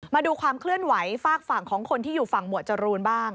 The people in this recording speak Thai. มาดูความเคลื่อนไหวฝากฝั่งของคนที่อยู่ฝั่งหมวดจรูนบ้าง